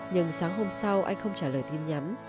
nhưng sáng hôm sau anh không trả lời tin nhắn